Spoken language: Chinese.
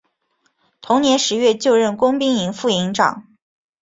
同年十月就任工兵营副营长。